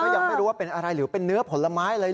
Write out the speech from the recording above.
ยังไม่รู้ว่าเป็นอะไรหรือเป็นเนื้อผลไม้อะไร